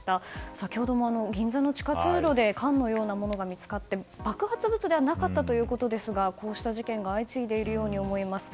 先ほども銀座の地下通路で缶のようなものが見つかって爆発物ではなかったということですがこうした事件が相次いでいるように思います。